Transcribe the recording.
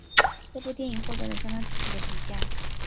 这部电影获得了相当积极的评价。